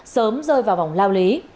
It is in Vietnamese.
sớm rơi vào vòng lao lý